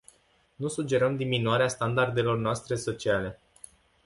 Nu sugerăm diminuarea standardelor noastre sociale.